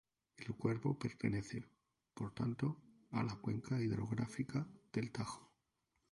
El Cuervo pertenece, por tanto, a la cuenca hidrográfica del Tajo.